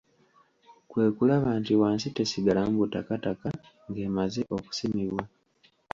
Kwe kulaba nti wansi tesigalamu butakataka ng'emaze okusimibwa.